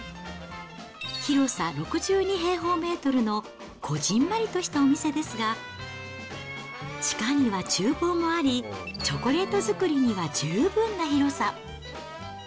広さ６２平方メートルのこじんまりとしたお店ですが、地下にはちゅう房もあり、チョコレート作りには十分な広さ。